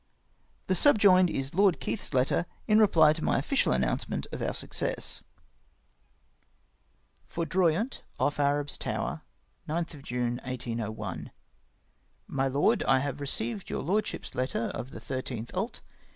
The subjoined is Lord Keith's letter in reply to my official announcement of our success. " Foudroymxt^ off Arab's Tower, " 9th June, 1801. " My Lord, — I have received your lordship's letter of the 13th ult.